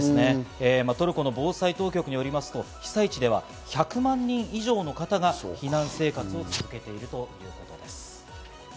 トルコの防災当局によりますと被災地では１００万人以上の方が避難生活を続けているということです。